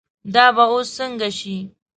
دا به اوس څنګه شي.